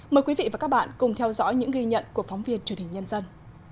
mời quý vị và các bạn cùng theo dõi những ghi nhận của phóng viên truyền hình nhân dân